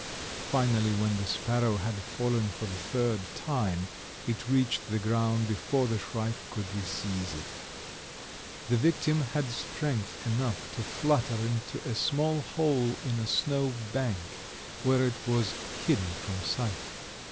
Finally when the sparrow had fallen for the third time it reached the ground before the shrike could reseize it. The victim had strength enough to flutter into a small hole in a snow bank, where it was hidden from sight.